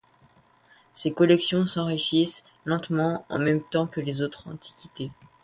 Ces collections s'enrichissent lentement en même temps que les autres antiquités.